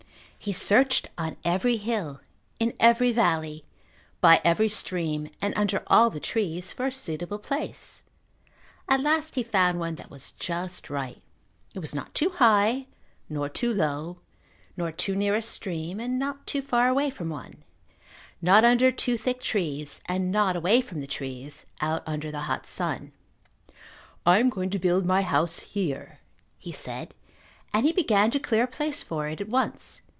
He searched on every hill, in every valley, by every stream, and under all the trees for a suitable place. At last he found one that was just right. It was not too high, nor too low, not too near a stream and not too far away from one, not under too thick trees and not away from the trees out under the hot sun. "I am going to build my house here," he said, and he began to clear a place for it at once.